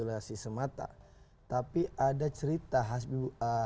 jangan berfikir at the end saja bahwa ini soal perhitungan rekapitulasi semata